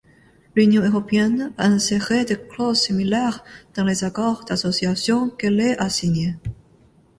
L'Union européenne a inséré des clauses similaires dans les accords d'association qu'elle a signé.